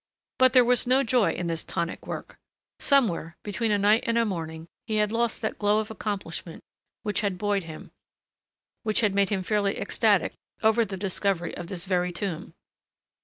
But there was no joy in this tonic work. Somewhere, between a night and a morning, he had lost that glow of accomplishment which had buoyed him, which had made him fairly ecstatic over the discovery of this very tomb.